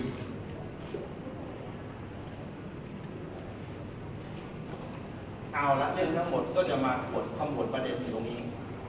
เอาละเงินทั้งหมดก็จะมากดความผลประเด็นที่ตรงนี้